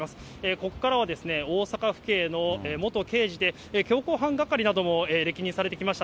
ここからは大阪府警の元刑事で、凶行犯係なども歴任されてきました